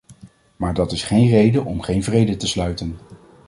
Maar dat is geen reden om geen vrede te sluiten.